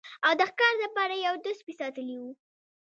او د ښکار د پاره يې يو دوه سپي ساتلي وو